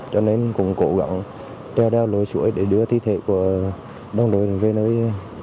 cho nên cũng cố gắng đeo đeo lối xuôi để đưa thi thể của đồng đội về nơi